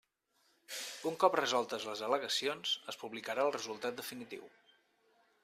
Un cop resoltes les al·legacions, es publicarà el resultat definiu.